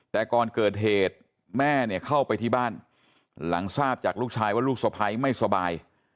แต่ก่อนเกิดเหตุแม่เนี่ยเข้าไปที่บ้านหลังทราบจากลูกชายว่าลูกสะพ้ายไม่สบาย